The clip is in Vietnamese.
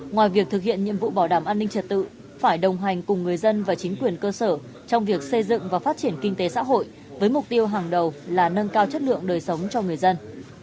ngoài việc thực hiện nhiệm vụ bảo đảm an ninh trật tự phải đồng hành cùng người dân và chính quyền cơ sở trong việc xây dựng và phát triển kinh tế xã hội với mục tiêu hàng đầu là nâng cao chất lượng đời sống cho người dân